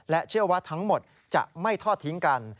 เชื่อว่าทั้งหมดจะไม่ทอดทิ้งกัน